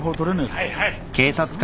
はいはい。